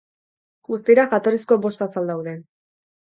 Guztira, jatorrizko bost azal daude.